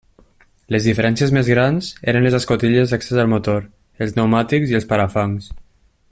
Les diferències més grans eren les escotilles d'accés al motor, els pneumàtics i els parafangs.